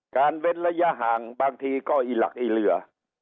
เว้นระยะห่างบางทีก็อีหลักอีเหลือ